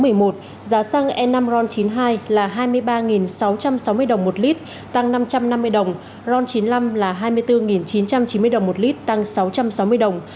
giá xăng e năm ron chín mươi hai là hai mươi ba sáu trăm sáu mươi đồng một lít tăng năm trăm năm mươi đồng ron chín mươi năm là hai mươi bốn chín trăm chín mươi đồng một lít tăng sáu trăm sáu mươi đồng